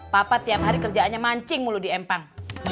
papa tiap hari kerjaannya mancing mulu diempang